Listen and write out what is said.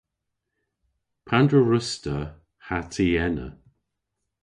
Pandr'a wruss'ta ha ty ena?